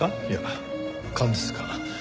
いや勘です勘。